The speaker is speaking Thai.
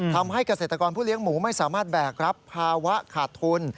ทำให้เกษตรกรผู้เลี้ยงหมูไม่สามารถแบกรับภาวะขาดทุน